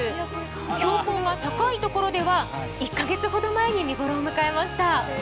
標高が高いところでは１カ月ほど前に見頃を迎えました。